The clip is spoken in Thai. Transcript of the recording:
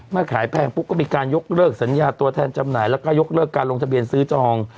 ขายแพงปุ๊บก็มีการยกเลิกสัญญาตัวแทนจำหน่ายแล้วก็ยกเลิกการลงทะเบียนซื้อจอง